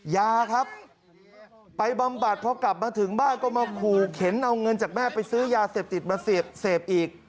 ยาครับไปบำบัดพอกลับมาถึงบ้านก็มาขู่เข็นเอาเงินจากแม่ไปซื้อยาเสพติดมาเสพอีก